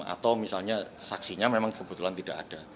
atau misalnya saksinya memang kebetulan tidak ada